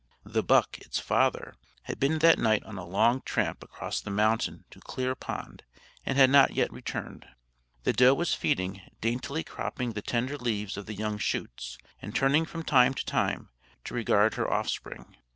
The buck, its father, had been that night on a long tramp across the mountain to Clear Pond, and had not yet returned. The doe was feeding, daintily cropping the tender leaves of the young shoots, and turning from time to time to regard her offspring.